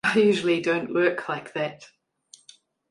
I don’t usually work like that.